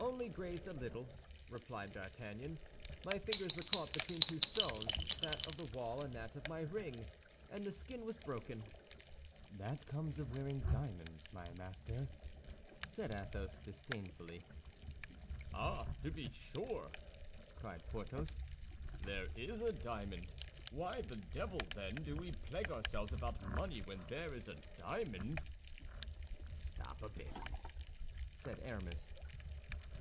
"Only grazed a little," replied D'Artagnan; "my fingers were caught between two stones—that of the wall and that of my ring—and the skin was broken." "That comes of wearing diamonds, my master," said Athos, disdainfully. "Ah, to be sure," cried Porthos, "there is a diamond. Why the devil, then, do we plague ourselves about money, when there is a diamond?" "Stop a bit!" said Aramis.